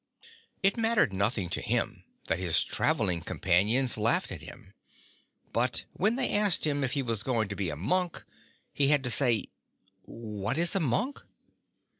It mattered noth ing to him that his travelling companions laughed at him; but when they asked him if he was going to be a monk he had to ask ''What is a monk?"